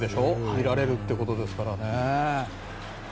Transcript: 見られるということですからね。